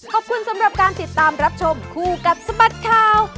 ขอบคุณสำหรับการติดตามรับชมคู่กับสบัดข่าว